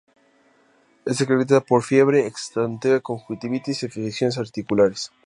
Esta se caracteriza por fiebre, exantema, conjuntivitis y afectaciones articulares.